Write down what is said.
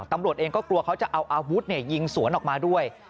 ตำรวจเองก็กลัวเขาจะเอาอาวุธยิงสวนออกมาด้วย